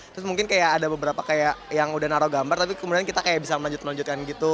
terus mungkin kayak ada beberapa kayak yang udah naruh gambar tapi kemudian kita kayak bisa melanjutkan gitu